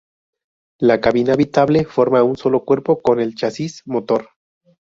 La cabina habitable forma un solo cuerpo con el chasis motor.